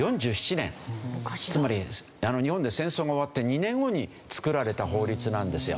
つまり日本で戦争が終わって２年後に作られた法律なんですよ。